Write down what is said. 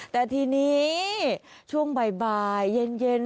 แต่ทีนี้ช่วงบ่ายเย็น